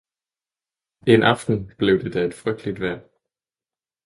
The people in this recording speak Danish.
En aften blev det da et frygteligt vejr.